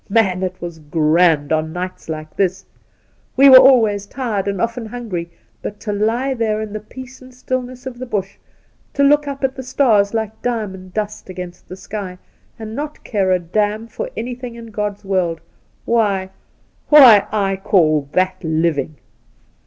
Man, it was grand on nights like this ! We were always tired and often hungry ; but 'to lie there in the peace and stillness of the Bush, to look up at the stars like diamond dust against the sky, and not care a damn for anything in God's world, why — why — I caU that living